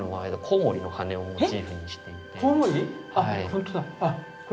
コウモリの羽をモチーフにしていて。